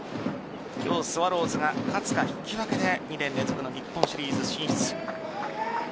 今日スワローズが勝つか引き分けで２年連続の日本シリーズ進出。